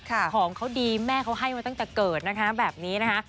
ของเขาดีแม่เขาให้มาตั้งแต่เกิดนะคะแบบนี้นะคะ